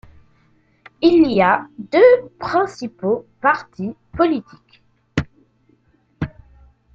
Il y a deux principaux partis politiques.